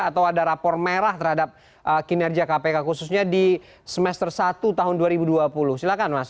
atau ada rapor merah terhadap kinerja kpk khususnya di semester satu tahun dua ribu dua puluh silakan mas